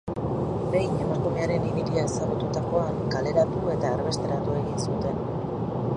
Behin emakumearen ibilia ezagututakoan, kaleratu eta erbesteratu egin zuten.